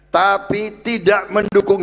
tapi tidak mendukung